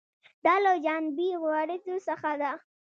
دا له جانبي عوارضو څخه ده.